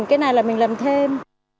cái này là mình làm thêm